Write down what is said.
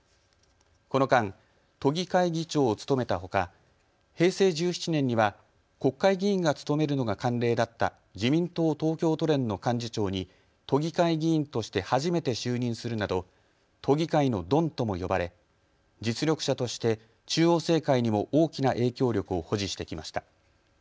この間、都議会議長を務めたほか平成１７年には国会議員が務めるのが慣例だった自民党東京都連の幹事長に都議会議員として初めて就任するなど、都議会のドンとも呼ばれ実力者として中央政界にも大きな影響力を保持してきました。